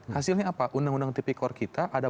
hasilnya apa undang undang tp core kita ada